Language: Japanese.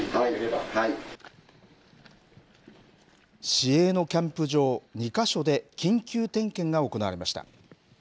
市営のキャンプ場、２か所で緊急点検が行われました。